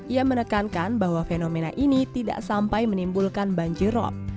ia menekankan bahwa fenomena ini tidak sampai menimbulkan banjirop